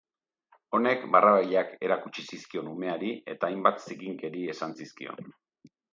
Honek barrabilak erakutsi zizkion umeari eta hainbat zikinkeri esan zizkion.